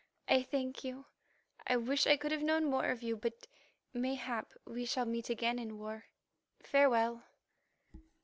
I thank you. I wish I could have known more of you, but mayhap we shall meet again in war. Farewell."